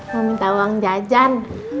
mau minta uang jajan